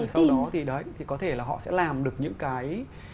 sau đó thì có thể là họ sẽ làm được những cái